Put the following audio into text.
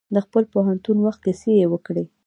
د خپل پوهنتون وخت کیسې یې وکړې.